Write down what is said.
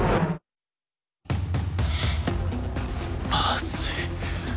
まずい。